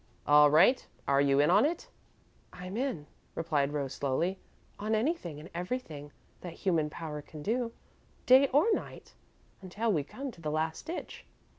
"All right. Are you in on it?" "I'm 'in,'" replied Rose, slowly, "on anything and everything that human power can do, day or night, until we come to the last ditch."